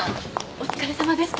お疲れさまでした。